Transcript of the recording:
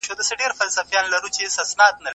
ما تاسي ته د یووالي لپاره یو قوي پېغام واستولی.